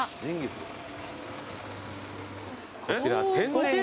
こちら天然氷。